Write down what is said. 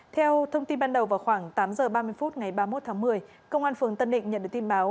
theo thông tin ban đầu vào khoảng tám h ba mươi phút ngày ba mươi một tháng một mươi công an phường tân định nhận được tin báo